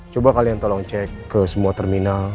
coba kalian tolong cek ke semua terminal